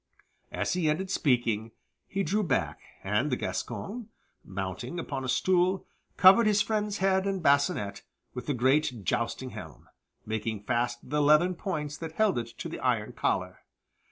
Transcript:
As he ended speaking he drew back, and Gascoyne, mounting upon a stool, covered his friend's head and bascinet with the great jousting helm, making fast the leathern points that held it to the iron collar.